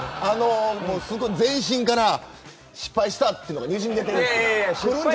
全身から失敗したというのがにじみ出てる。